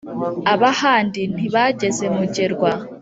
ab’ahandi ntibageze mugerwa